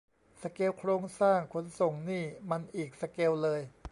สเกลโครงสร้างขนส่งนี่มันอีกสเกลเลย